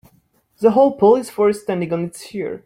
The whole police force standing on it's ear.